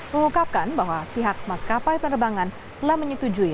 mengungkapkan bahwa pihak maskapai penerbangan telah menyetujui